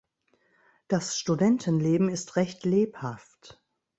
Das Studentenleben ist recht lebhaft.